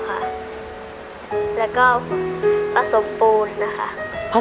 แล้วก็ผสมปูนนะคะ